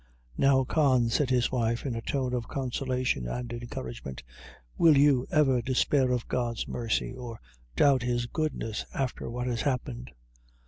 "Now, Con," said his wife, in a tone of consolation and encouragement, "will you ever despair of God's mercy, or doubt his goodness, after what has happened?"